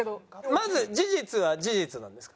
まず事実は事実なんですか？